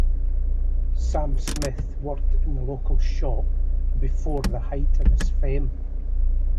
Sam Smith worked in the local shop before the height of his fame.